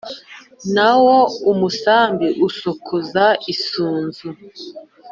na wo umusambi usokoza isunzu :